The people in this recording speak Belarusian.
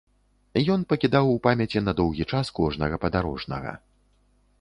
Ён пакідаў у памяці на доўгі час кожнага падарожнага.